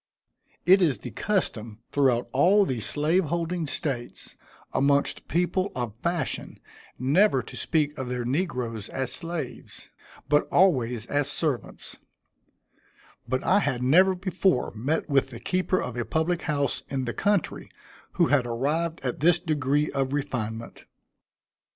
It is the custom throughout all the slave holding States, amongst people of fashion, never to speak of their negroes as slaves, but always as servants; but I had never before met with the keeper of a public house, in the country, who had arrived at this degree of refinement.